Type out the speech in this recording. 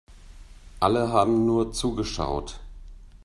Alle haben nur zugeschaut.